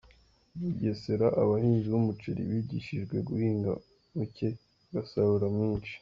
Bugesera Abahinzi b’umuceri bigishijwe guhinga muke bagasarura mwinshi